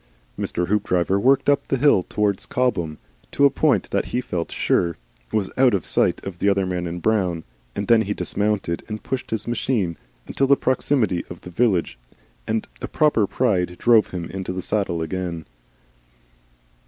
Mr. Hoopdriver worked up the hill towards Cobham to a point that he felt sure was out of sight of the other man in brown, and then he dismounted and pushed his machine; until the proximity of the village and a proper pride drove him into the saddle again.